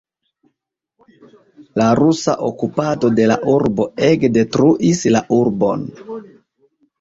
La rusa okupado de la urbo ege detruis la urbon.